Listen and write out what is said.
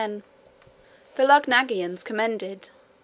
The Luggnaggians commended.